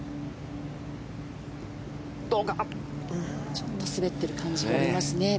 ちょっと滑ってる感じがありますね。